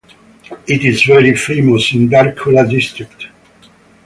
It is very famous in Darchula District.